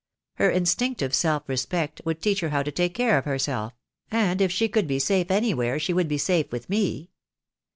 Her instinctive self respect would teach her how to take care of herself; and if she could be safe anywhere, she would be safe with me.